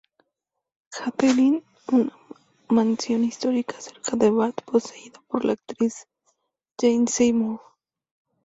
Catherine, una mansión histórica cerca de Bath poseída por la actriz Jane Seymour.